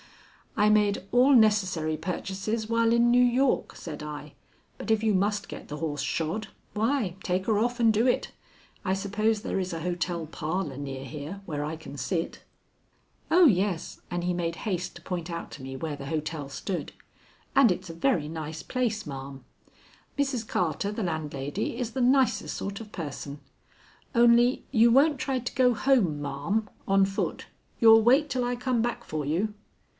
"I made all necessary purchases while in New York," said I, "but if you must get the horse shod, why, take her off and do it. I suppose there is a hotel parlor near here where I can sit." "Oh, yes," and he made haste to point out to me where the hotel stood. "And it's a very nice place, ma'am. Mrs. Carter, the landlady, is the nicest sort of person. Only you won't try to go home, ma'am, on foot? You'll wait till I come back for you?"